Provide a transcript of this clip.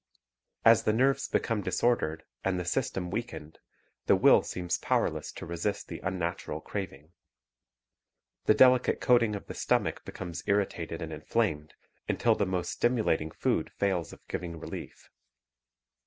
As the nerves become disordered and the system weakened, the will seems powerless to resist the unnatural craving. The delicate coating of the stomach becomes irritated and inflamed until the most stimulat ing food fails of giving relief.